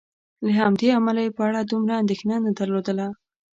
له همدې امله یې په اړه دومره اندېښنه نه درلودله.